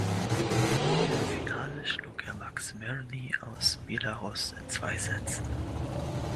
Im Finale schlug er Maks Mirny aus Belarus in zwei Sätzen.